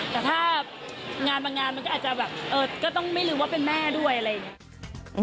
แต่ถ้างานบางงานมันก็อาจจะแบบก็ต้องไม่ลืมว่าเป็นแม่ด้วยอะไรอย่างนี้